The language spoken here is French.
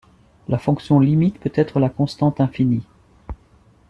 La fonction limite peut être la constante infinie.